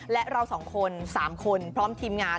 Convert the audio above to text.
และเรา๒คน๓คนพร้อมทีมงาน